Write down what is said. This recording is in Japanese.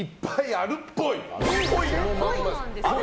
あるっぽい。